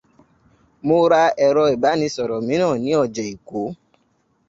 Mo ra ẹ̀rọ ìbánisọ̀rọ̀ mìíràn ní ọjà Èkó